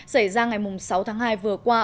xảy ra ngày sáu tháng hai vừa qua